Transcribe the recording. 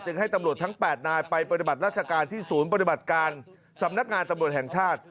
ให้ตำรวจทั้ง๘นายไปปฏิบัติราชการที่ศูนย์ปฏิบัติการสำนักงานตำรวจแห่งชาติ